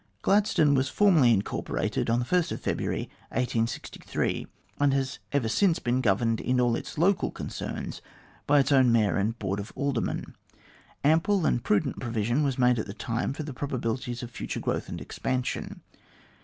Gladstone was formally incorporated on February 1, 1863, and has ever since been governed in all its local concerns by its own Mayor and Board of Aldermen. Ample and prudent provision was made at the time for the probabilities of future growth and expansion.